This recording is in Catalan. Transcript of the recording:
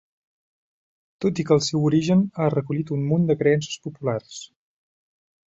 Tot i que el seu origen ha recollit un munt de creences populars.